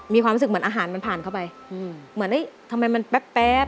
มีความรู้สึกเหมือนอาหารมันผ่านเข้าไปเหมือนเอ๊ะทำไมมันแป๊บ